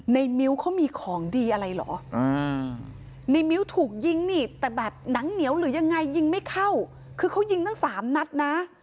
มิ้วเขามีของดีอะไรเหรอในมิ้วถูกยิงนี่แต่แบบหนังเหนียวหรือยังไงยิงไม่เข้าคือเขายิงตั้งสามนัดนะ